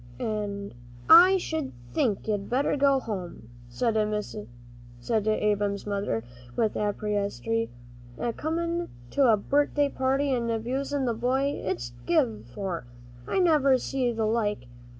"An' I sh'd think you'd better go home," said Ab'm's mother, with asperity; "a comin' to a birthday party and abusin' the boy it's give for. I never see th' like.